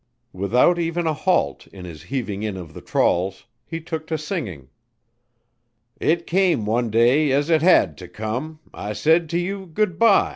Without even a halt in his heaving in of the trawls, he took to singing: "It came one day, as it had to come I said to you 'Good by.'